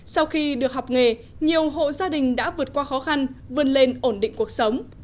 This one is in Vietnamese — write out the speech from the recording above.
sau khi được học nghề nhiều hộ gia đình đã vượt qua khó khăn vươn lên ổn định cuộc sống